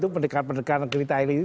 pendekar pendekar negeri thailand itu